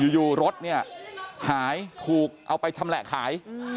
อยู่รถเนี่ยหายถูกเอาไปชำแหละขาย